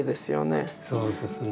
そうですね。